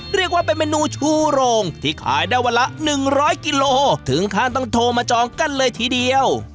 เรียกว่าเป็นเมนูชูโรงที่ขายได้วันละ๑๐๐กิโลถึงขั้นต้องโทรมาจองกันเลยทีเดียว